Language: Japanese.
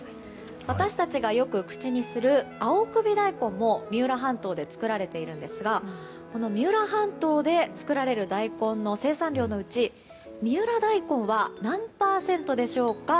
私たちがよく口にする青首大根も三浦半島で作られているんですがこの三浦半島で作られる大根の生産量のうち三浦大根は何パーセントでしょうか。